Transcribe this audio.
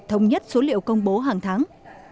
thống nhất số liệu công bố hàng tháng